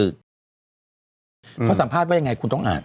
เขาสัมภาษณ์ว่ายังไงคุณต้องอ่าน